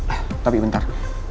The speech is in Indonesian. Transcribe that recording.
eh tapi bentar